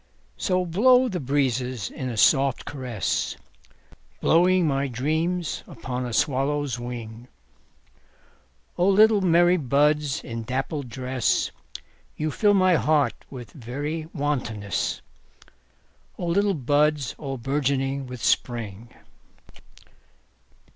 So blow the breezes in a soft caress, Blowing my dreams upon a swallow's wing;O little merry buds in dappled dress, You fill my heart with very wantonness—O little buds all bourgeoning with Spring!